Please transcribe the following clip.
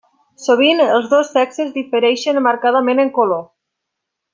Sovint els dos sexes difereixen marcadament en color.